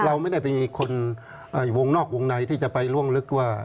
เราไม่ได้เป็นคนวงนอกวงในที่จะไปล่วงลึกว่า